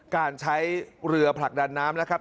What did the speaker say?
การใช้เรือผลักดันน้ำนะครับ